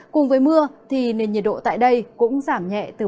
cùng với mưa nền nhiệt độ tại đây cũng giảm nhẹ từ một hai độ